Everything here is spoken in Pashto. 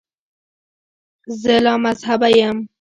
زه لامذهبه یم.